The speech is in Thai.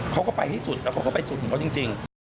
เขาก็ไปให้สุดแล้วเขาก็ไปสุดของเขาจริง